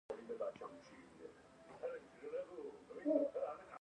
آیا کاناډا د چاپیریال اداره نلري؟